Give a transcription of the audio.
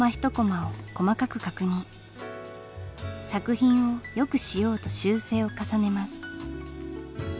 作品を良くしようと修正を重ねます。